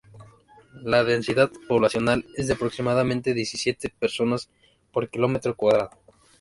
La densidad poblacional es de aproximadamente diecisiete personas por kilómetro cuadrado.